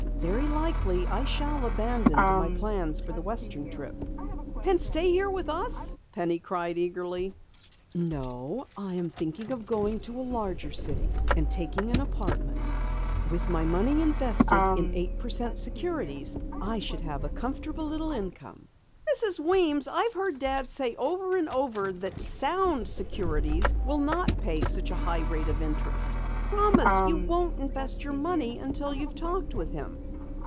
Very likely I shall abandon my plans for the western trip." "And stay here with us?" Penny cried eagerly. "No, I am thinking of going to a larger city and taking an apartment. With my money invested in eight per cent securities, I should have a comfortable little income." "Mrs. Weems, I've heard Dad say over and over that sound securities will not pay such a high rate of interest. Promise you won't invest your money until you've talked with him."